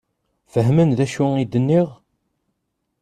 Fehmen d acu i d-nniɣ?